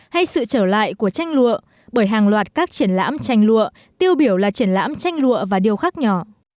hay sự trở lại của tranh lụa bởi hàng loạt các triển lãm tranh lụa tiêu biểu là triển lãm tranh lụa và điều khác nhỏ